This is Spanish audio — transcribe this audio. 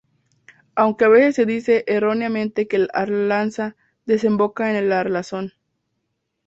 Aunque a veces se dice erróneamente que el Arlanza desemboca en el Arlanzón.